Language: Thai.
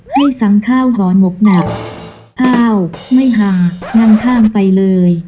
ให้สั่งข้าวห่อหมกหนักอ้าวไม่ห่างนั่งข้างไปเลย